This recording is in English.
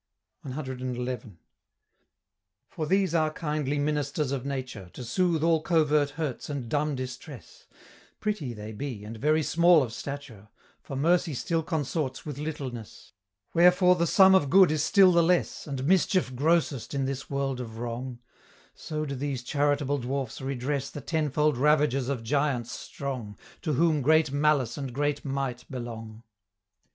CXI. "For these are kindly ministers of nature, To soothe all covert hurts and dumb distress; Pretty they be, and very small of stature, For mercy still consorts with littleness; Wherefore the sum of good is still the less, And mischief grossest in this world of wrong; So do these charitable dwarfs redress The tenfold ravages of giants strong, To whom great malice and great might belong."